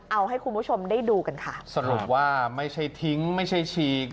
เอาให้คุณผู้ชมได้ดูกันค่ะสรุปว่าไม่ใช่ทิ้งไม่ใช่ฉีก